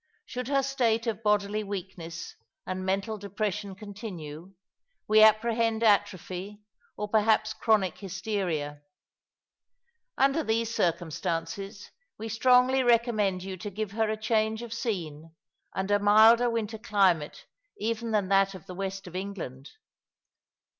Should her state of bodily weakness and mental The Year of the Rose is Bi'lef^ 20 J depression continue, we apprehend atrophy, or perhaps chronic hysteria. Under these circumstances, we strongly recommend you to give her a change of scene, and a milder winter climate even than that of the west of England.